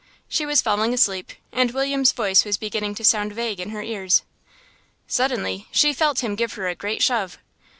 She was falling asleep, and William's voice was beginning to sound vague in her ears. Suddenly she felt him give her a great shove.